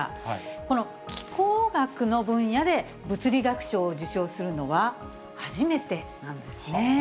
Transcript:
この気候学の分野で物理学賞を受賞するのは、初めてなんですね。